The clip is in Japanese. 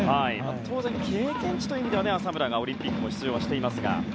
当然、経験値という意味では浅村がオリンピックに出場もしていますが。